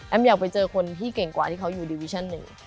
แอมอยากไปเจอคนที่เก่งกว่าที่เขาอยู่ดิวิชั่น๑